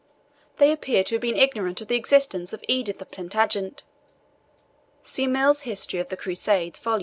They appear to have been ignorant of the existence of Edith of Plantagenet. See MILL'S History of the Crusades, vol.